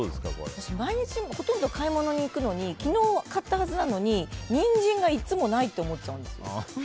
私、毎日ほとんど買い物に行くのに昨日買ったはずなのにニンジンがいつもないって思っちゃうんですよ。